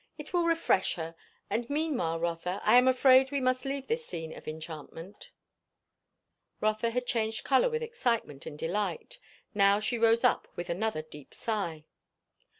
It will refresh her. And meanwhile, Rotha, I am afraid we must leave this scene of enchantment." Rotha had changed colour with excitement and delight; now she rose up with another deep sigh.